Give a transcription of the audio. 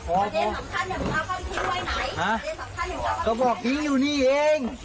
โอ้ประเทศสำคัญอย่างที่ไว้ไหนฮะเขาบอกจริงอยู่นี่เอง